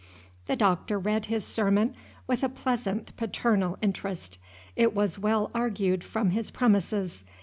The Doctor read his sermon with a pleasant, paternal interest: it was well argued from his premises.